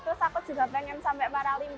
terus aku juga pengen sampai paralimpik